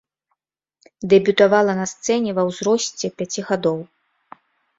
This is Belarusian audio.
Дэбютавала на сцэне ва ўзросце пяці гадоў.